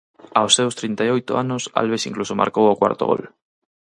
Aos seus trinta e oito anos Alves incluso marcou o cuarto gol.